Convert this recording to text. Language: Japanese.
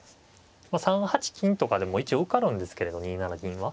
３八金とかでも一応受かるんですけれど２七銀は。